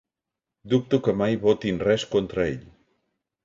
Dubto que mai votin res contra ell.